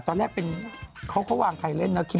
ตอนแรกเป็นเขาวางไข่เล่นนะ